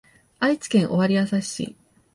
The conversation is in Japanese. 愛知県尾張旭市